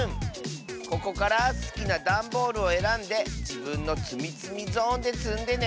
ここからすきなだんボールをえらんでじぶんのつみつみゾーンでつんでね。